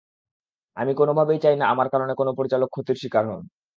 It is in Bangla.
আমি কোনোভাবেই চাই না, আমার কারণে কোনো পরিচালক ক্ষতির শিকার হোন।